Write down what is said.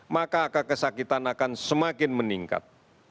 maka angka kesakitan akan semakin meningkat